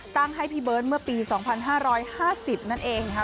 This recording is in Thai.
ให้พี่เบิร์ตเมื่อปี๒๕๕๐นั่นเองนะคะ